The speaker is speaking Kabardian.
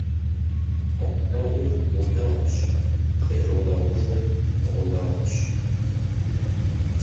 Гъунэгъур унэгъущ, къигъунэгъужыр гъунэгъущ.